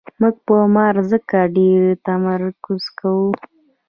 موږ په مار ځکه ډېر تمرکز کوو.